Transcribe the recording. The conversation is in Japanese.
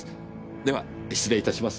では失礼いたします。